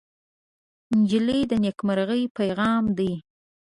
نجلۍ د نیکمرغۍ پېغام ده.